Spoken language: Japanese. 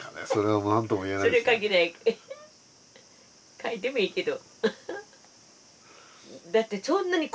書いてもいいけど。